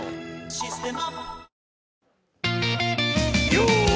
「システマ」